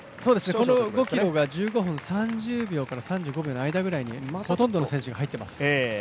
この５ｋｍが１５分３０秒くらいのペースにほとんどの選手が入っています。